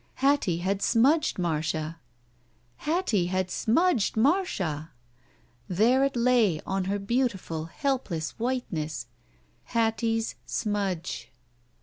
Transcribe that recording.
Hattie had smudged Marcia ! Hattie Had Smudged Marcia! There it lay on her beautiful, helpless whiteness. Hattie's smudge.